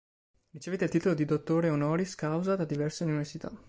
Ricevette il titolo di Dottore Honoris Causa da diverse università.